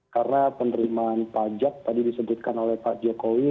karena penerimaan pajak tadi disebutkan oleh pak jokowi